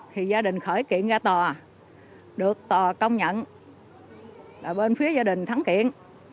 thì gia đình khởi kiện ra tòa được tòa công nhận là bên phía gia đình thắng kiện